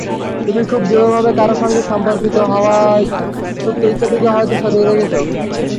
তুমি খুব দৃঢ়ভাবে কারও সঙ্গে সম্পর্কিত হওয়ার সুপ্ত ইচ্ছেটিকে হয়তো সরিয়ে রেখেছ।